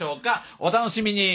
お楽しみに。